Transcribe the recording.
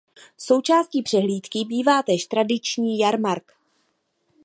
Součástí přehlídky bývá též tradiční jarmark.